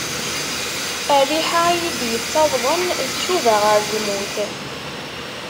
Rriḥa iyi-d-yettawḍen tcuba ɣer lmut.